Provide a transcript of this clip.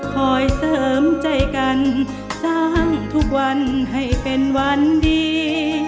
คอยเสริมใจกันสร้างทุกวันให้เป็นวันดี